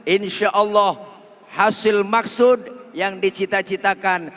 insya allah hasil maksud yang dicita citakan